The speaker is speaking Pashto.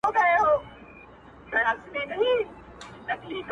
په دې وطن کي په لاسونو د ملا مړ سوم